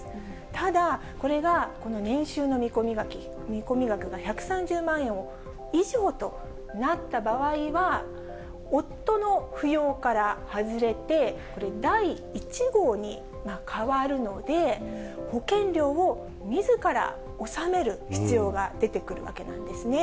ただ、これがこの年収の見込み額が１３０万円以上となった場合は、夫の扶養から外れて、第１号に変わるので、保険料をみずから納める必要が出てくるわけなんですね。